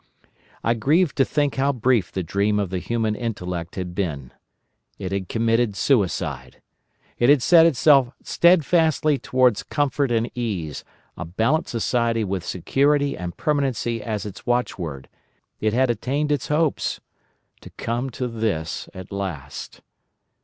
"I grieved to think how brief the dream of the human intellect had been. It had committed suicide. It had set itself steadfastly towards comfort and ease, a balanced society with security and permanency as its watchword, it had attained its hopes—to come to this at last.